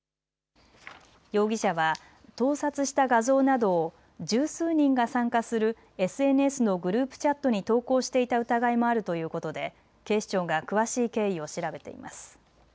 容疑者は盗撮した画像などを十数人が参加するＳＮＳのグループチャットに投稿していた疑いもあるということで警視庁が詳しい経緯を調べています。